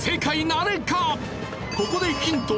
ここでヒント。